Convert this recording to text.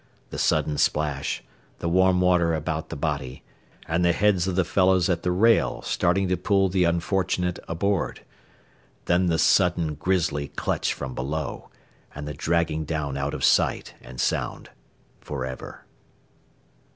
The sudden splash, the warm water about the body, and the heads of the fellows at the rail starting to pull the unfortunate aboard. Then the sudden grisly clutch from below, and the dragging down out of sight and sound forever.